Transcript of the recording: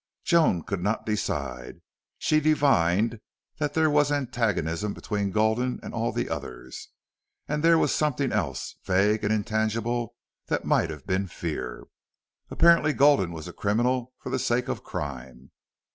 Joan could not decide. She divined that there was antagonism between Gulden and all the others. And there was something else, vague and intangible, that might have been fear. Apparently Gulden was a criminal for the sake of crime.